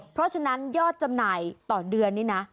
เพราะฉะนั้นยอดจำหน่ายต่อเดือนนี่นะ